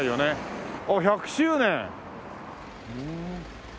あっ１００周年。